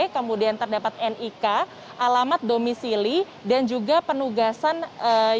kemudian terdapat nik alamat domisili dan juga penugasan